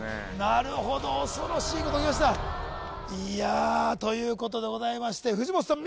なるほど恐ろしいことが起きましたいやということでございまして藤本さん